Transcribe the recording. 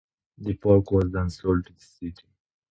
The park was then sold to the city.